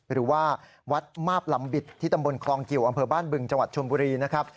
หรือว่าวัดมาบลำบิดที่ตำบลคลองกิวอำเภอบ้านบึงจังหวัดชนบุรีนะครับ